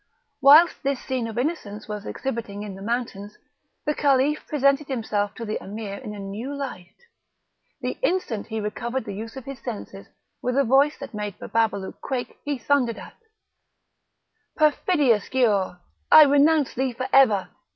Whilst this scene of innocence was exhibiting in the mountains, the Caliph presented himself to the Emir in a new light; the instant he recovered the use of his senses, with a voice that made Bababalouk quake, he thundered out: "Perfidious Giaour! I renounce thee for ever!